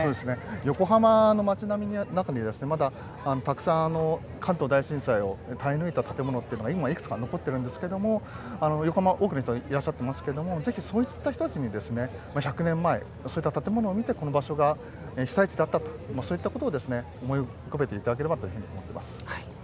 横浜の街並みの中にまだたくさん関東大震災を耐え抜いた建物がいくつか残っているんですが多くの人がいらっしゃっていますがぜひそういった人たちに１００年前、そういった建物を見てここが被災地だったということを思い浮かべていただければと思います。